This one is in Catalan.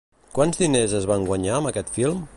Quants diners es van guanyar amb el film?